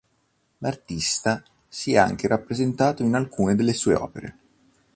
L'artista si è anche rappresentato in alcune delle sue opere.